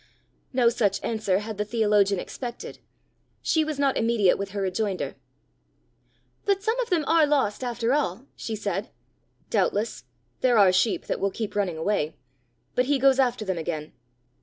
No such answer had the theologian expected; she was not immediate with her rejoinder. "But some of them are lost after all!" she said. "Doubtless; there are sheep that will keep running away. But he goes after them again."